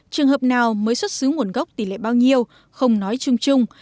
trường hợp nào mới xuất xứ nguồn gốc tỷ lệ bao nhiêu không nói chung chung